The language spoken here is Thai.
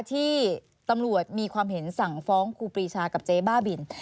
ที่ตำรวจมีความเห็นสั่งฟ้องครูปรีชากับเจ๊บ้าบิน